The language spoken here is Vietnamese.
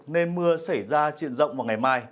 nên mưa xảy ra triện rộng vào ngày mai